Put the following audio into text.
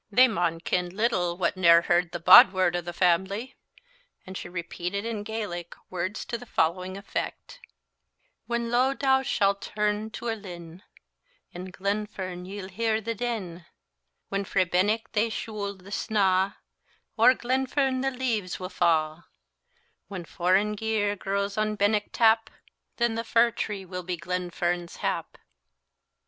"They maun ken little wha ne'er heard the bod word of the family." And she repeated in Gaelic words to the following effect: "When Loehdow shall turn to a lin, In Glenfern ye'll hear the din; When frae Benenck they shool the sna', O'er Glenfern the leaves will fa'; When foreign geer grows on Benenck tap, Then the fir tree will be Glenfern's hap."